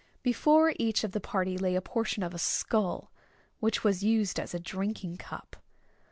Before each of the party lay a portion of a skull, which was used as a drinking cup.